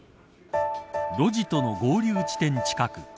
路地との合流地点近く